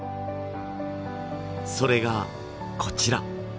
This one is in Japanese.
それがこちら。